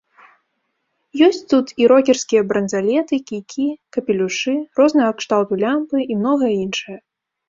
Ёсць тут і рокерскія бранзалеты, кійкі, капелюшы, рознага кшталту лямпы і многае іншае.